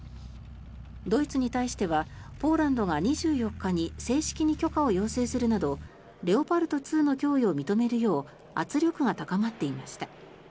ドイツに対してはポーランドが２４日に正式に許可を要請するなどレオパルト２の供与を認めるよう圧力が高まっていました。